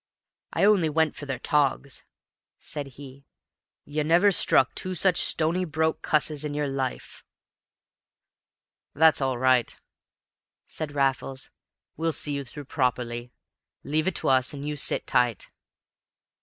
"I only went for their togs," said he. "You never struck two such stony broke cusses in yer life!" "That's all right," said Raffles. "We'll see you through properly. Leave it to us, and you sit tight."